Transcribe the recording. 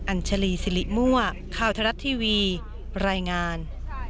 อัญชลีสิริมั่วข่าวทรัฐทีวีรายงาน